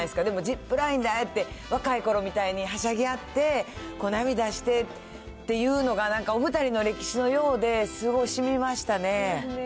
でもジップラインでああやって若いころみたいにはしゃぎ合って、涙してっていうのが、なんかお２人の歴史のようで、すごいしみましたね。